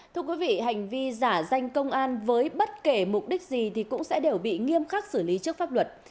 thưa quý vị hành vi giả danh công an với bất kể mục đích gì thì cũng sẽ đều bị nghiêm khắc xử lý trước pháp luật